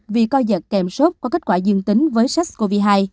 vì co giật kèm sốt có kết quả dương tính với sars cov hai